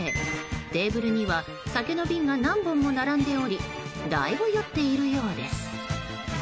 テーブルには酒の瓶が何本も並んでおりだいぶ酔っているようです。